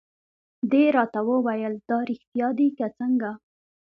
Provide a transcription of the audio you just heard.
دې راته وویل: دا رېښتیا دي که څنګه؟